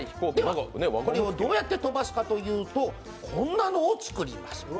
これをどうやって飛ばすかというと、こんなのを作ります。